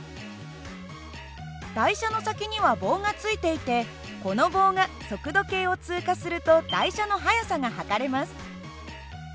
台車の先には棒がついていてこの棒が速度計を通過すると台車の速さが測れます。